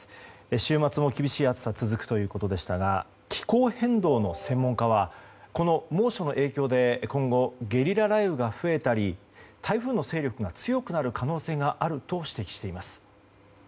週末も厳しい暑さが続くということでしたが気候変動の専門家はこの猛暑の影響で今後、ゲリラ雷雨が増えたり台風の勢力が強くなる可能性があると指摘しています。